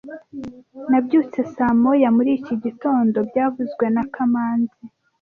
Nabyutse saa moya muri iki gitondo byavuzwe na kamanzi